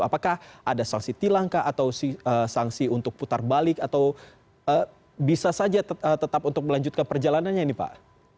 apakah ada sanksi tilangkah atau sanksi untuk putar balik atau bisa saja tetap untuk melanjutkan perjalanannya ini pak